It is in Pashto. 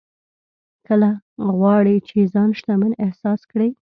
که غواړې چې ځان شتمن احساس کړې.